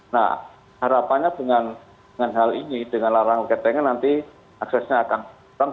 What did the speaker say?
nah harapannya dengan hal ini dengan larangan ketengan nanti aksesnya akan kurang